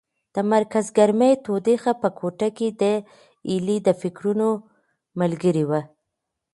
د مرکز ګرمۍ تودوخه په کوټه کې د هیلې د فکرونو ملګرې وه.